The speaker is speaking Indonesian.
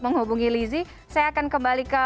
menghubungi lizzy saya akan kembali ke